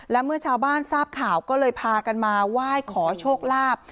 และเมื่อชาวบ้านทราบข่าวก็เลยพากันมาไหว้ขอโชคลาภ